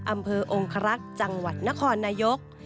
อำเภอองครักษ์จังหวัดนครนายก